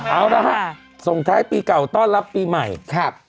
เอาละฮะส่งท้ายปีเก่าต้อนรับปีใหม่ครับ